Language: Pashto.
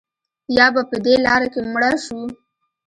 یا به په دې لاره کې مړه شو.